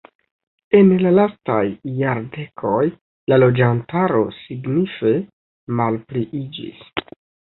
En la lastaj jardekoj la loĝantaro signife malpliiĝis.